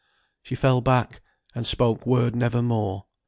She fell back, and spoke word never more.